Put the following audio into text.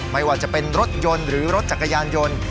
ไม่ว่าจะเป็นรถยนต์หรือรถจักรยานยนต์